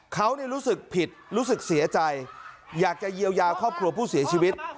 เขารู้สึกผิดรู้สึกเสียใจอยากจะเยียวยาครอบครัวผู้เสียชีวิต